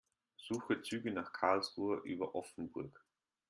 Suche Züge nach Karlsruhe über Offenburg.